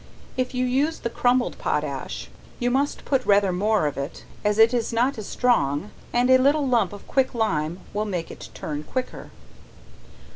If you use the crumbled potash, you must put rather more of it, as it is not so strong, and a little lump of quick lime will make it turn quicker.